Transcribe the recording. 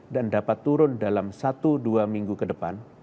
dan dapat turun dalam satu dua minggu ke depan